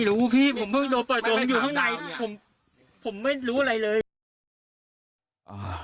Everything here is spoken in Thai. พี่ผมเพิ่งโดนปล่อยโดมอยู่ข้างในผมผมไม่รู้อะไรเลยอ่า